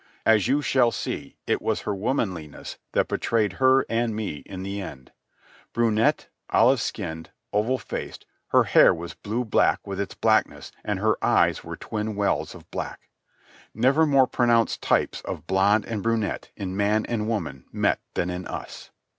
As you shall see, it was her womanliness that betrayed her and me in the end. Brunette, olive skinned, oval faced, her hair was blue black with its blackness and her eyes were twin wells of black. Never were more pronounced types of blonde and brunette in man and woman met than in us.